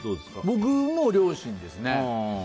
僕も両親ですね。